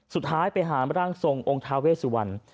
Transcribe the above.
สุดท้ายไปหามรรร่างทรงองค์ทาเวสสวัน